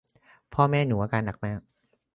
พ่อแม่หนูอาการหนักมาก